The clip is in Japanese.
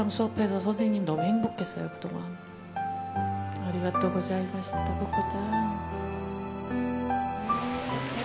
ありがとうございました、ココちゃん。